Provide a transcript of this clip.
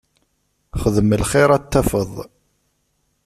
Xdem lxir ad t-tafeḍ.